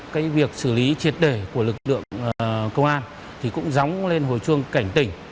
cái việc xử lý triệt đề của lực lượng công an thì cũng gióng lên hồi chuông cảnh tỉnh